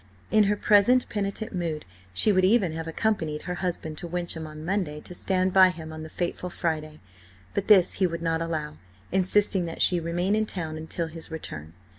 In her present penitent mood she would even have accompanied her husband to Wyncham on Monday, to stand by him on the fateful Friday; but this he would not allow, insisting that she remain in town until his return.